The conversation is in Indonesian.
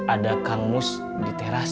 ada kang mus di teras